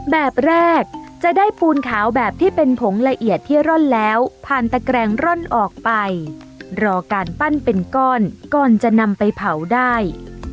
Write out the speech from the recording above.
แบบแรกจะได้ปูนขาวแบบที่เป็นผงละเอียดที่ร่อนแล้วผ่านตะแกรงร่อนออกไปรอการปั้นเป็นก้อนก่อนจะนำไปเผาได้